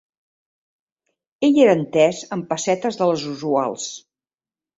Ell era entès en pessetes de les usuals